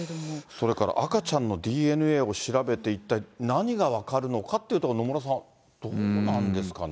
それから赤ちゃんのＤＮＡを調べて、一体何が分かるのかっていうところ、野村さん、どうなんですかね。